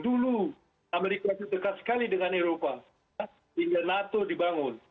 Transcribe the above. dulu amerika itu dekat sekali dengan eropa hingga nato dibangun